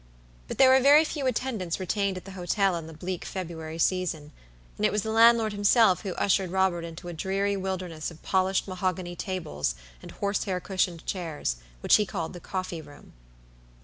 But there were very few attendants retained at the hotel in the bleak February season, and it was the landlord himself who ushered Robert into a dreary wilderness of polished mahogany tables and horsehair cushioned chairs, which he called the coffee room.